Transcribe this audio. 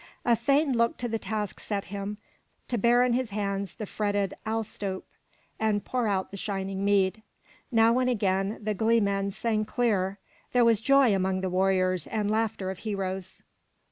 A thane looked to the task set him, to bear in his hands the fretted ale stoup, and pour out the shining mead. Now and again the glee men sang clear. There was joy among the warriors and laughter of heroes.